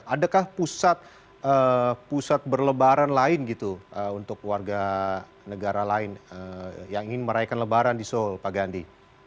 adakah pusat berlebaran lain gitu untuk warga negara lain yang ingin meraihkan lebaran di seoul pak gandhi